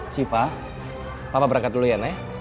syifa papa berangkat dulu ya nay